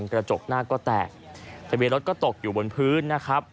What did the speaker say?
กระจกหน้าก็แตกทะเบียนรถก็ตกอยู่บนพื้นนะครับ